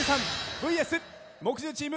ＶＳ木曜チーム